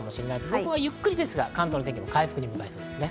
今日はゆっくりですが関東の天気も回復に向かいそうです。